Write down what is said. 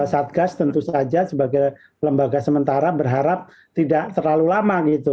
satgas tentu saja sebagai lembaga sementara berharap tidak terlalu lama gitu